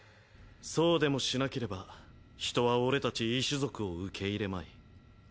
そうでもしなければヒトは俺たち異種族を受け入れまい。